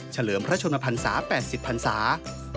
เลิมพระชนพันศา๘๐พันศา